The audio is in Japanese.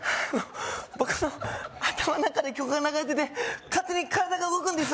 僕の頭の中で曲が流れてて勝手に体が動くんです